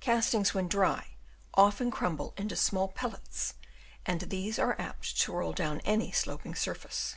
Castings when dry often crumble into small pellets and these are apt to roll clown any sloping surface.